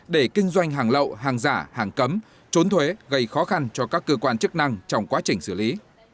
để kinh doanh hàng lậu hàng giả hàng cấm trốn thuế gây khó khăn cho các cơ quan chức năng trong quá trình xử lý